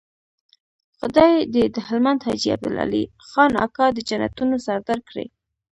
خدای دې د هلمند حاجي عبدالعلي خان اکا د جنتونو سردار کړي.